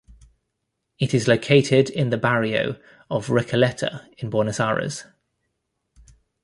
It is located in the barrio of Recoleta in Buenos Aires.